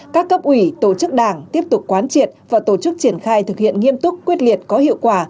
các cấp ủy tổ chức đảng tiếp tục quán triệt và tổ chức triển khai thực hiện nghiêm túc quyết liệt có hiệu quả